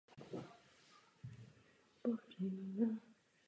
Normy samy o sobě však účinný systém vnitřní kontroly nezajistí.